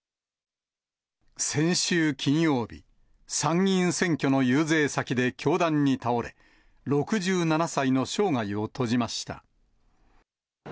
先週金曜日、参議院選挙の遊説先で凶弾に倒れ、６７歳の生涯を閉じました。